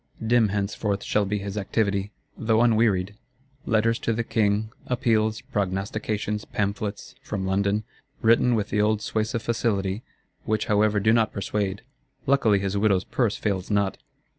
Dim henceforth shall be his activity, though unwearied: Letters to the King, Appeals, Prognostications; Pamphlets (from London), written with the old suasive facility; which however do not persuade. Luckily his widow's purse fails not.